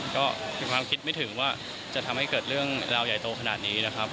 ก็มีความคิดไม่ถึงว่าจะทำให้เกิดเรื่องราวใหญ่โตขนาดนี้นะครับ